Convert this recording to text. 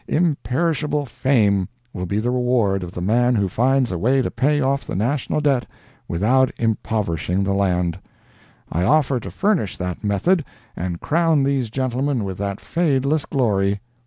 Imperishable fame will be the reward of the man who finds a way to pay off the national debt without impoverishing the land; I offer to furnish that method and crown these gentlemen with that fadeless glory.